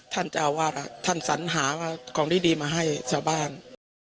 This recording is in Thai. ท่านสัญหาของดีมาให้ชาวบ้าน